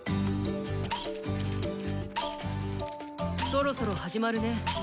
そろそろ始まるね。